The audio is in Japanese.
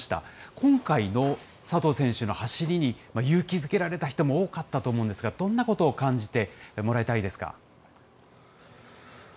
今回の佐藤選手の走りに勇気づけられた人も多かったと思うんですが、どんなことを感じてもらいたいですか。